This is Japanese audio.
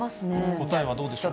答えはどうでしょう。